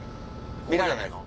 見られないの？